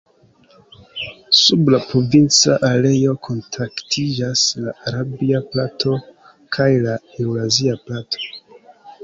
Sub la provinca areo kontaktiĝas la arabia plato kaj la eŭrazia plato.